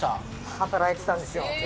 働いてたんですよ。